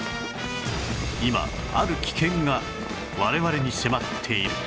今ある危険が我々に迫っている